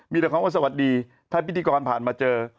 มีแต่คำว่าสวัสดีถ้าพิธีกรผ่านมาเจอ